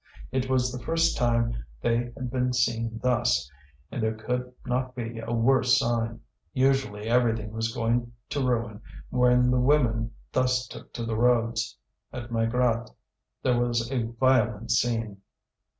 It was the first time they had been seen thus, and there could not be a worse sign: usually everything was going to ruin when the women thus took to the roads. At Maigrat's there was a violent scene.